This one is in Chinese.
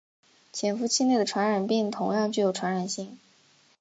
潜伏期内的传染病同样具有传染性。